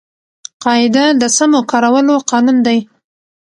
قاعده د سمو کارولو قانون دئ.